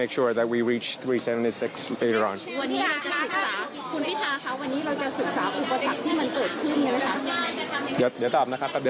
เพราะว่าเรามันจะเป็นประหลาดเสียงในภูมิกันครับ